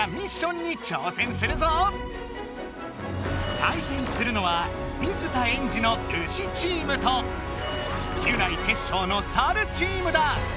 対戦するのは水田エンジのウシチームとギュナイテッショウのサルチームだ！